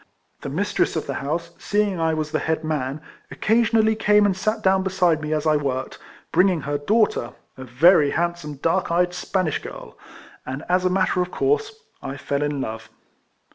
The mistress of the house, seeing I was the head man, occa sionally came and sat down beside me as I Avorked, bringing her daughter, a very handsome dark eyed Spanish girl, and as a matter of course I fell in love.